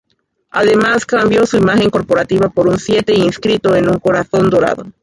Además, cambió su imagen corporativa por un siete inscrito en un corazón dorado.